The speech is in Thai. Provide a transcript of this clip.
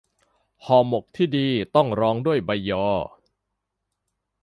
ห่อหมกที่ดีต้องรองด้วยใบยอ